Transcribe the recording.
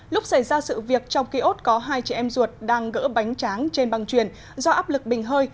lúc xảy ra sự việc trong kiosk có hai chị em ruột đang gỡ bánh tráng trên băng truyền do áp lực bình hơi